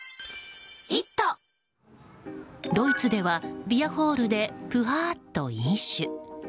ドイツではビヤホールでぷはーっと飲酒。